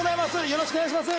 よろしくお願いします。